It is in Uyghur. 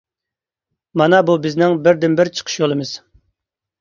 مانا بۇ بىزنىڭ بىردىنبىر چىقىش يولىمىز.